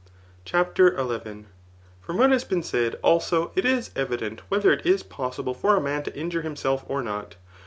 CHAPTER XI. From what has been said, also, it is evident whether it IS possible for a man to injure himself or not.